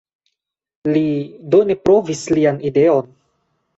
Li do ne provis lian ideon.